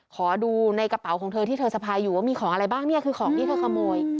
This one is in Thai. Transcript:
ขอดูในกระเป๋าของเธอที่เธอสะพายอยู่ว่ามีของอะไรบ้างเนี่ยคือของที่เธอขโมย